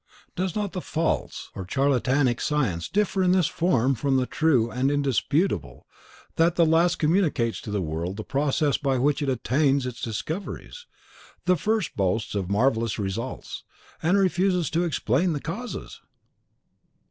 Does not the false or charlatanic science differ in this from the true and indisputable, that the last communicates to the world the process by which it attains its discoveries; the first boasts of marvellous results, and refuses to explain the causes?"